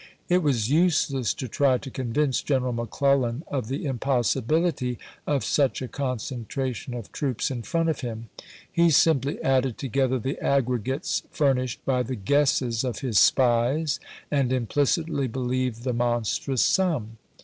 It was useless to try to convince General Mc Clellan of the impossibility of such a concentration of troops in front of him; he simply added together tlie aggregates furnished by the guesses of his spies and implicitly believed the monstrous sum.